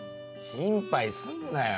心配すんなよ